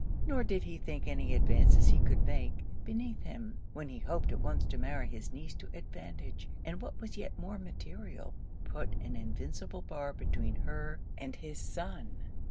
Nor did he think any advances he could make, beneath him, when he hoped at once to marry his niece to advantage, and what was yet more material, put an invincible bar between her and his son.